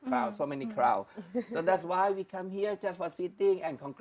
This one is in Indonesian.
jadi itu mengapa kami datang ke sini hanya untuk duduk dan mengucapkan selamat datang dan kembali